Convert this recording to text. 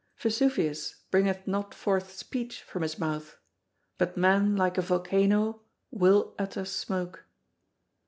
Vesuvius bringeth not forth speech from his mouth, but man, like a volcano, will utter smoke.